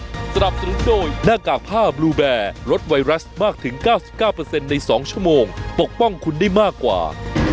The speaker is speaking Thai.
สำหรับสรุปโดยหน้ากากผ้าบลูแบร์รสไวรัสมากถึงเก้าสิบเก้าเปอร์เซ็นต์ในสองชั่วโมงปกป้องคุณได้มากกว่า